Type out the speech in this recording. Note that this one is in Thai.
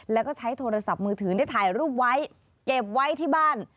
แล้วก็ใช้โทรศัพท์มือถือได้ถ่ายรูปไว้เก็บไว้ที่บ้าน